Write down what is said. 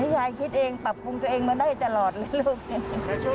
นี่คุณยายคิดเองปรับปรุงตัวเองมาได้ตลอดเลยลูก